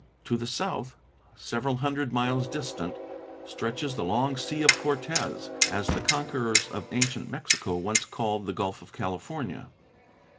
To the south, several hundred miles distant, stretches the long Sea of Cortez, as the conquerors of ancient Mexico once called the Gulf of California.